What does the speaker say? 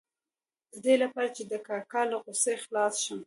د دې لپاره چې د کاکا له غوسې خلاص شم.